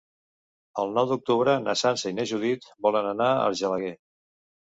El nou d'octubre na Sança i na Judit volen anar a Argelaguer.